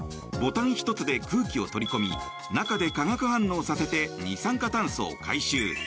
ボタン１つで空気を取り込み中で化学反応をさせて二酸化炭素を回収。